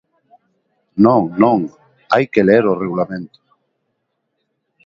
Non, non, hai que ler o Regulamento.